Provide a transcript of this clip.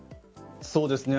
そうですね。